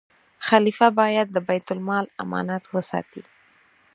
خلیفه باید د بیت المال امانت وساتي.